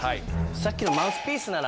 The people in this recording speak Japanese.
さっきのマウスピース。